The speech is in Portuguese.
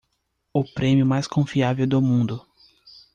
O prêmio mais confiável do mundo